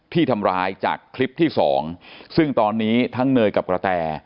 ที่ทำร้ายจากคลิปที่สองซึ่งตอนนี้ทั้งเนยกับกระแต